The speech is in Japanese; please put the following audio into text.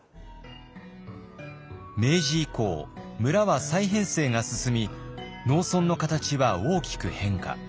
明治以降村は再編成が進み農村の形は大きく変化。